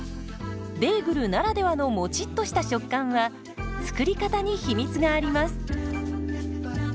ベーグルならではのもちっとした食感は作り方に秘密があります。